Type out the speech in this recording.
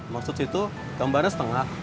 maksud itu gambarnya setengah